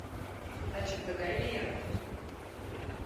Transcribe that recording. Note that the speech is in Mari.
— Таче тыгай лийын.